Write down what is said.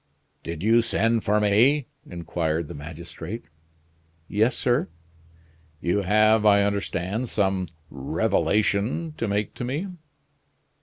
"Did you send for me?" inquired the magistrate. "Yes, sir." "You have, I understand, some revelation to make to me."